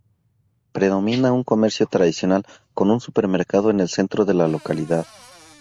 Predomina un comercio tradicional, con un supermercado en el centro de la localidad.